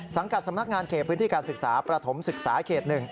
กับสำนักงานเขตพื้นที่การศึกษาประถมศึกษาเขต๑